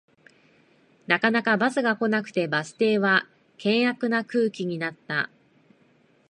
なかなかバスが来なくてバス停は険悪な空気になった